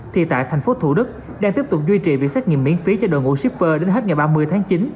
thì tại thành phố thủ đức đang tiếp tục duy trì việc xét nghiệm miễn phí cho đội ngũ shipper đến hết ngày ba mươi tháng chín